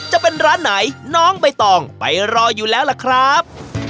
จะเป็นร้านไหนน้องใบตองไปรออยู่แล้วล่ะครับ